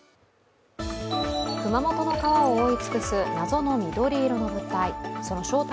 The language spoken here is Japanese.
熊本の川を覆い尽くす謎の緑色の物体。